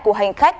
của hành khách